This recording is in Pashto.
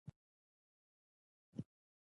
ازادي راډیو د بیکاري د مثبتو اړخونو یادونه کړې.